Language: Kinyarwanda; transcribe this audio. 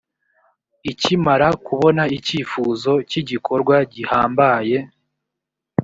ikimara kubona icyifuzo cy igikorwa gihambaye